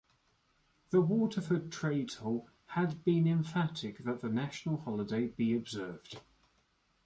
The Waterford Trades Hall had been emphatic that the National Holiday be observed.